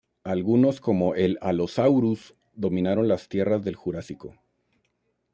Algunos como el "Allosaurus" dominaron las tierras del Jurásico.